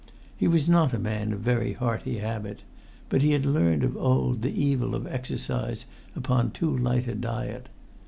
He was not a man of very hearty habit, but he had learnt of old the evil of exercise upon too light a diet.